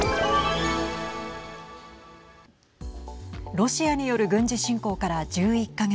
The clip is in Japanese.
ロシアによる軍事侵攻から１１か月。